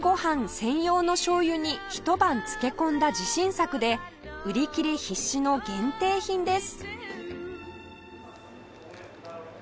専用の醤油に一晩漬け込んだ自信作で売り切れ必至の限定品です